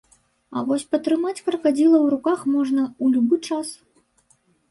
А вось патрымаць кракадзіла ў руках можна ў любы час.